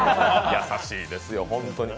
優しいですよ、ホントに。